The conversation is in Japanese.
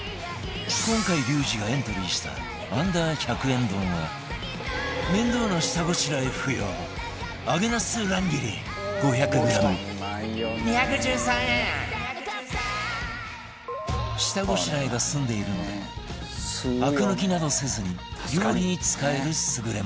今回リュウジがエントリーした Ｕ−１００ 円丼は面倒な下ごしらえ不要下ごしらえが済んでいるのでアク抜きなどせずに料理に使える優れもの